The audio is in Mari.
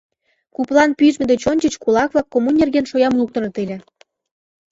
Куплан пижме деч ончыч кулак-влак коммун нерген шоям луктыныт ыле.